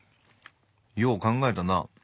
よう考えたな。